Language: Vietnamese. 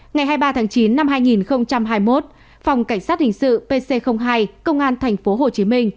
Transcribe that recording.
ngày hai mươi ba tháng chín năm hai nghìn hai mươi một phòng cảnh sát hình sự pc hai công an tp hcm